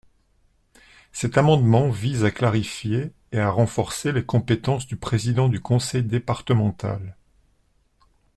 Cet amendement vise à clarifier et à renforcer les compétences du président du conseil départemental.